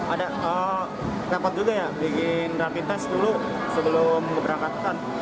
ada dapat juga ya bikin rapi tes dulu sebelum berangkat